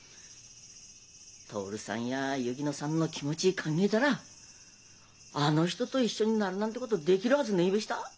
徹さんや薫乃さんの気持ち考えだらあの人と一緒になるなんでごどできるはずねえべした。